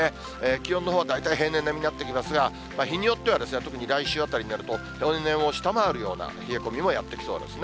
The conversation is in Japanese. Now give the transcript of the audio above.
気温のほう、大体平年並みになってきますが、日によっては、特に来週あたりには平年を下回るような冷え込みもやって来そうですね。